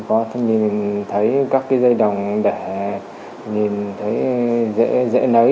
mình có nhìn thấy các dây đồng để nhìn thấy dễ nấy